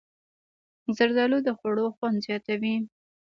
زردالو د خوړو خوند زیاتوي.